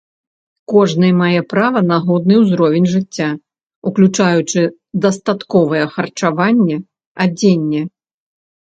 Кожны мае права на годны ўзровень жыцця, уключаючы дастатковае харчаванне, адзенне.